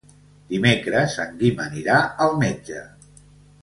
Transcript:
Dimecres en Guim anirà al metge.